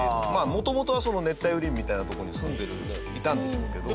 もともとは熱帯雨林みたいなとこに住んでいたんでしょうけど。